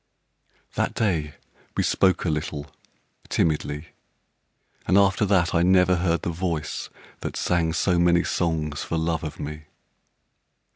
That day we spoke a little, timidly, And after that I never heard the voice That sang so many songs for love of me.